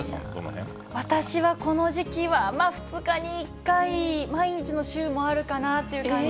私はこの時期は２日に１回、毎日の週もあるかなという感じ。